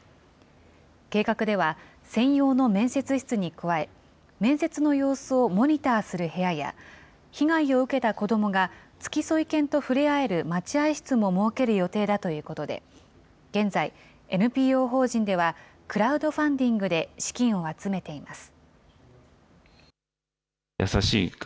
計画では、専用の面接室に加え、面接の様子をモニターする部屋や、被害を受けた子どもが付添犬と触れ合える待合室も設ける予定だということで、現在、ＮＰＯ法人ではクラウドファンディングで資金を集めています。